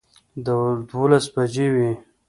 دولس بجې وې